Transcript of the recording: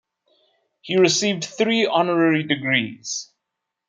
He received three honorary degrees.